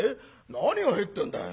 何が入ってんだい？